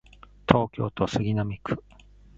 東京都杉並区